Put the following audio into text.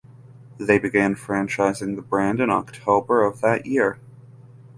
They began franchising the brand in October of that year.